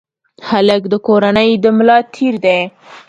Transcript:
هلک د کورنۍ د ملا تیر دی.